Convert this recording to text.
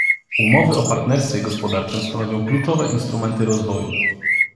Umowy o partnerstwie gospodarczym stanowią kluczowe instrumenty rozwoju